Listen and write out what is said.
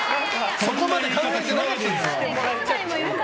そこまで考えてなかったんですか。